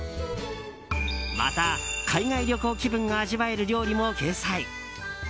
また、海外旅行気分が味わえる料理も掲載。